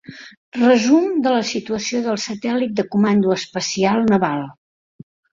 Resum de la situació del Satèl·lit de comando espacial naval.